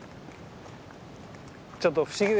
ちょっと不思議ですよね。